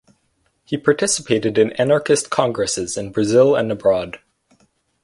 He participated in anarchist congresses in Brazil and abroad.